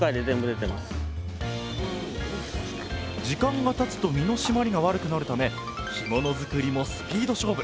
時間がたつと身のしまりが悪くなるため干物づくりもスピード勝負！